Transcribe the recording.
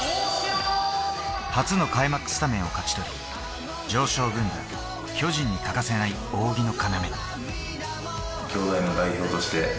初の開幕スタメンを勝ち取り、常勝軍団、巨人に欠かせない扇の要。